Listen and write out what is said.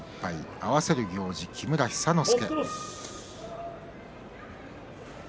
合わせる行司は木村寿之介。